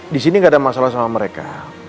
di sini gak ada masalah sama mereka